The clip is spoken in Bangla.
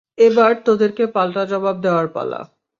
এবার তোদেরকে পাল্টা জবাব দেওয়ার পালা।